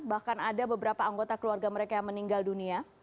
bahkan ada beberapa anggota keluarga mereka yang meninggal dunia